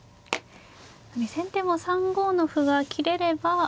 先手も３五の歩が切れれば。